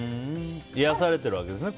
癒やされてるわけですね